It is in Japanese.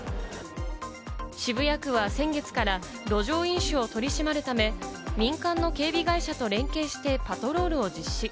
渋谷区は先月から路上飲酒を取り締まるため、民間の警備会社と連携してパトロールを実施。